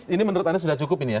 ini menurut anda sudah cukup ini ya